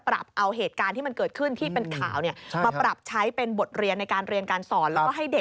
แล้วเรียนอยู่